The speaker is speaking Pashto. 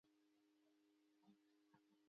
مصریانو د ډبرو ډیرې حیرانوونکې ماڼۍ جوړې کړې دي.